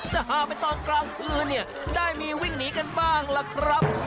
แต่หากไปตอนกลางคืนเนี่ยได้มีวิ่งหนีกันบ้างล่ะครับ